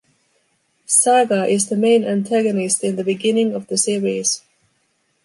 Saga is the main antagonist in the beginning of the series.